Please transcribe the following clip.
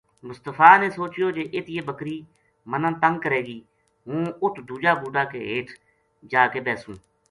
مصطفی نے سوچیو جے اِت یہ بکری مَنا تنگ کرے گی ہوں اُت دُوجا بُوٹا کے ہیٹھ جا کے بیسوں